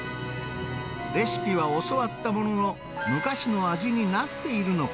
レシピは教わったものの、昔の味になっているのか。